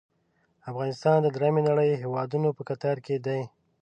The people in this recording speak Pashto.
افغانستان د دریمې نړۍ هیوادونو په کتار کې دی.